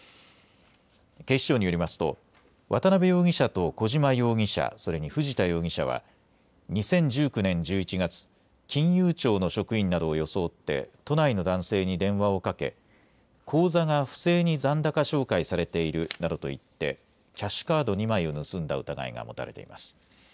警視庁によりますと渡邉容疑者と小島容疑者、それに藤田容疑者は２０１９年１１月、金融庁の職員などを装って都内の男性に電話をかけ、口座が不正に残高照会されているなどと言ってキャッシュカード２枚を盗んだ疑いが持たれています。